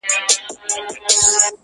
زموږ به کله د عمرونو رنځ دوا سي-